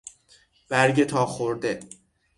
برگ تاخورده